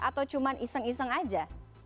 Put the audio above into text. atau cuma iseng iseng aja